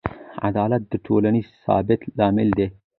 عدالت د ټولنیز ثبات لامل دی.